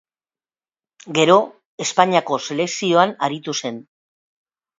Gero, Espainiako selekzioan aritu zen.